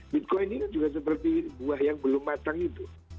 bitcoin ini kan juga seperti buah yang belum matang itu